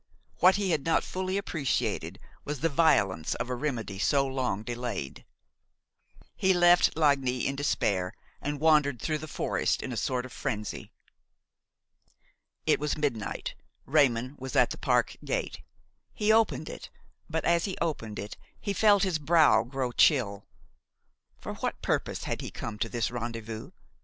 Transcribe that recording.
What he had not fully appreciated was the violence of a remedy so long delayed. He left Lagny in despair and wandered through the forest in a sort of frenzy. It was midnight; Raymon was at the park gate. He opened it, but as he opened it he felt his brow grow chill. For what purpose had he come to this rendezvous?